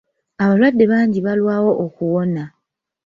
Abalwadde bangi balwawo okuwona.